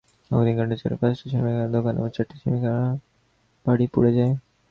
অগ্নিকাণ্ডে চান্দগাঁওয়ে পাঁচটি সেমিপাকা দোকান এবং চারটি সেমিপাকা বাড়ি পুড়ে যায়।